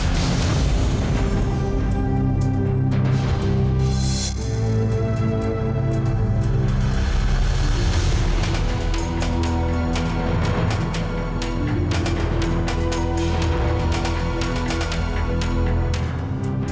harmonisius percaya bapak field